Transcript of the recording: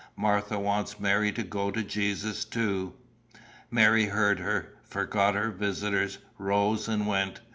Martha wants Mary to go to Jesus too. "Mary heard her, forgot her visitors, rose, and went.